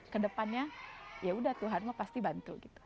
kedepannya yaudah tuhan mau pasti bantu gitu